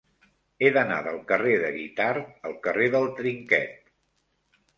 He d'anar del carrer de Guitard al carrer del Trinquet.